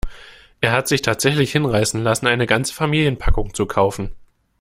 Er hat sich tatsächlich hinreißen lassen, eine ganze Familienpackung zu kaufen.